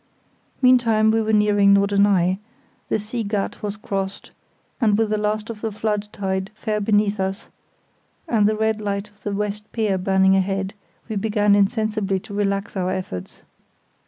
Meantime, we were nearing Norderney; the See Gat was crossed, and with the last of the flood tide fair beneath us, and the red light on the west pier burning ahead, we began insensibly to relax our efforts.